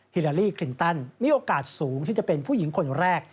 ลาลีคลินตันมีโอกาสสูงที่จะเป็นผู้หญิงคนแรก